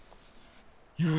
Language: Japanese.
よし！